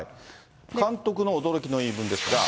監督の驚きの言い分ですが。